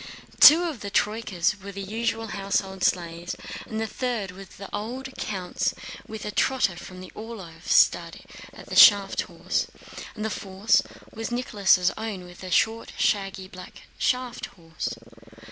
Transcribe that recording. Two of the troykas were the usual household sleighs, the third was the old count's with a trotter from the Orlóv stud as shaft horse, the fourth was Nicholas' own with a short shaggy black shaft horse.